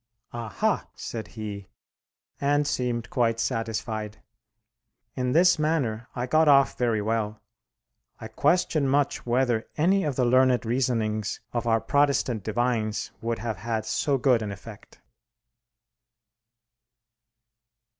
"Aha!" said he; and seemed quite satisfied. In this manner I got off very well. I question much whether any of the learned reasonings of our Protestant divines would have had so good an effect.